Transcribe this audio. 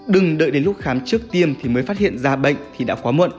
đừng đợi đến lúc khám trước tiêm thì mới phát hiện ra bệnh thì đã quá muộn